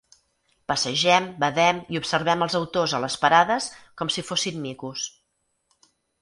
Passegem, badem i observem els autors a les parades com si fossin micos.